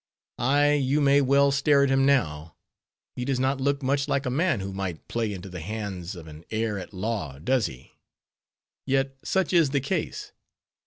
Ay, you may well stare at him now. He does not look much like a man who might play into the hands of an heir at law, does he? Yet such is the case.